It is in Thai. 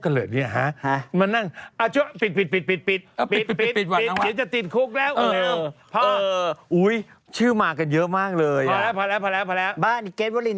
แต่ไม่ได้ผู้ชายเย็นซีรีส์ผู้หญิงเย็นซีรีส์